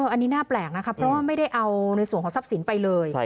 อันนี้น่าแปลกนะคะเพราะว่าไม่ได้เอาในส่วนของทรัพย์สินไปเลย